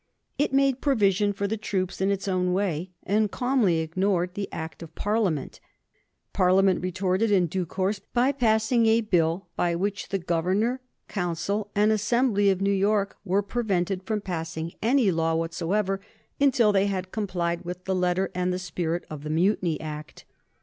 It made provision for the troops in its own way, and calmly ignored the Act of Parliament. Parliament retorted in due course by passing a bill by which the Governor, Council, and Assembly of New York were prevented from passing any law whatsoever until they had complied with the letter and the spirit of the Mutiny Act.